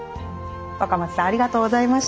若松さんありがとうございました。